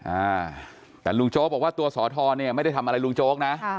อ่าแต่ลุงโจ๊กบอกว่าตัวสอทรเนี่ยไม่ได้ทำอะไรลุงโจ๊กนะค่ะ